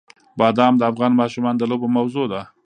بادام د افغان ماشومانو د لوبو موضوع ده.